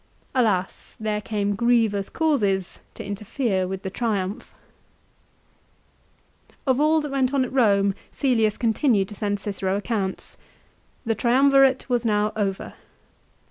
Alas, there came grievous causes to interfere with the Triumph ! Of all that went on at Eome Caelius continued to send Cicero accounts. The Triumvirate was now over.